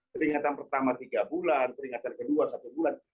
peringatan pertama tiga bulan peringatan kedua satu bulan